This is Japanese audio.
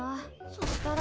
そしたら。